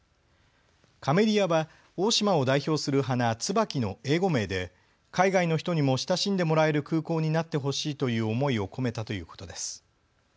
かめりあは大島を代表する花、つばきの英語名で海外の人にも親しんでもらえる空港になってほしいという思いを込めたということです。